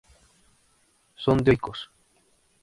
Son dioicos.